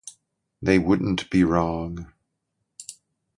They wouldn’t be wrong.